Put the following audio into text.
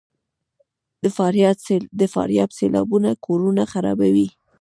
د فاریاب سیلابونه کورونه خرابوي؟